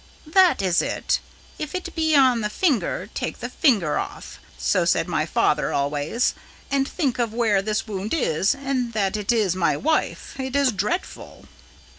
"That is it. If it be on the finger, take the finger off. So said my father always. But think of where this wound is, and that it is my wife. It is dreadful!"